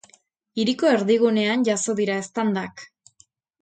Hiriko erdigunean jazo dira eztandak.